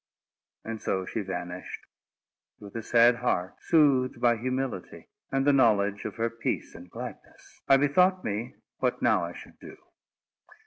And so she vanished. With a sad heart, soothed by humility, and the knowledge of her peace and gladness, I bethought me what now I should do.